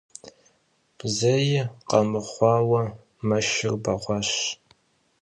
Зэи къэмыхъуауэ, мэшыр бэгъуащ.